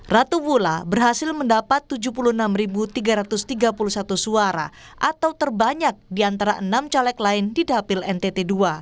ratu mula berhasil mendapat tujuh puluh enam tiga ratus tiga puluh satu suara atau terbanyak di antara enam caleg lain di dapil ntt ii